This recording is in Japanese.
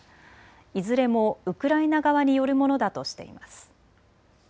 いずれもウクライナ側によるものだとしています。